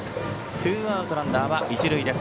ツーアウトランナーは一塁。